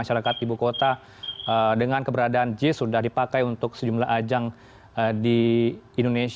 selamat siang pak anies